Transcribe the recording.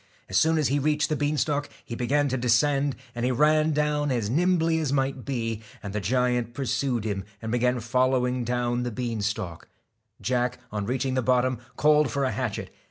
As soon as he reached the bean 12 stalk he began to descend, and he ran down as TACK nimbly as might be. AND THE The giant pursued him, and began to follow down J jJV* *L. the bean stalk. STALK Jack, on reaching the bottom, called for a hatchet.